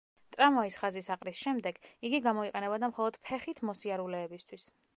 ტრამვაის ხაზის აყრის შემდეგ იგი გამოიყენებოდა მხოლოდ ფეხით მოსიარულეებისათვის.